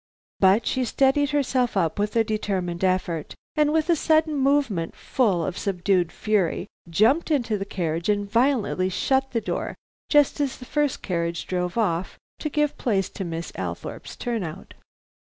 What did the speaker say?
But she steadied herself up with a determined effort, and with a sudden movement full of subdued fury, jumped into the carriage and violently shut the door just as the first carriage drove off to give place to Miss Althorpe's turn out.